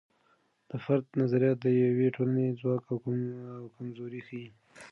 د فرد نظریات د یوې ټولنې ځواک او کمزوري ښیي.